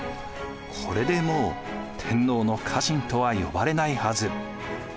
これでもう天皇の家臣とは呼ばれないはず。